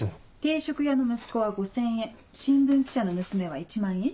定食屋の息子は５０００円新聞記者の娘は１万円。